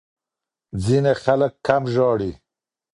ځینې خلک کم ژاړي.